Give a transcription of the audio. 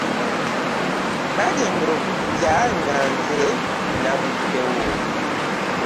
Baagenda okujja nga nze navuddewo.